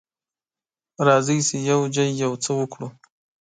راځئ چې یوځای یو څه وکړو.